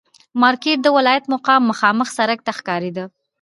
مارکېټ د ولایت مقام مخامخ سړک ته ښکارېده.